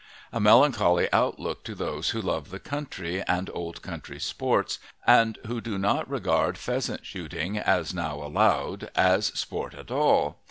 A melancholy outlook to those who love the country and old country sports, and who do not regard pheasant shooting as now followed as sport at all.